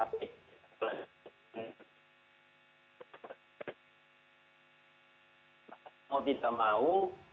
kalau tidak mau